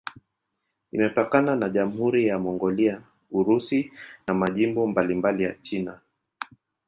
Imepakana na Jamhuri ya Mongolia, Urusi na majimbo mbalimbali ya China.